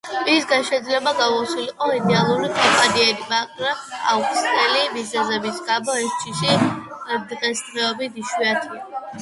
მისგან შეიძლება გამოსულიყო იდეალური კომპანიონი, მაგრამ აუხსნელი მიზეზების გამო, ეს ჯიში დღესდღეობით იშვიათია.